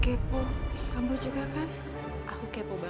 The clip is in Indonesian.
aku kepo banget mak